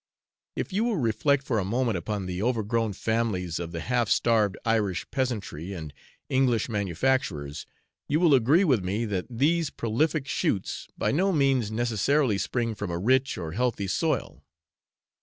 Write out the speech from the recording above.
If you will reflect for a moment upon the overgrown families of the half starved Irish peasantry and English manufacturers, you will agree with me that these prolific shoots by no means necessarily spring from a rich or healthy soil.